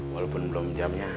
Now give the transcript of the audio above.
walaupun belum jamnya